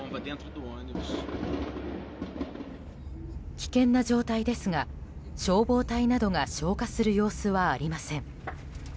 危険な状態ですが消防隊などが消火する様子はありません。